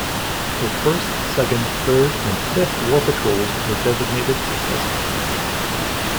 Her first, second, third, and fifth war patrols were designated successful.